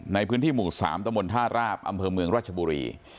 ในพื้นที่หมู่๓ตะบนท่าราบอำเภอเมืองราชบุรี